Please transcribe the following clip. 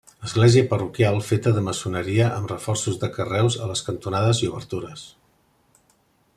Església parroquial feta de maçoneria amb reforços de carreus a les cantonades i obertures.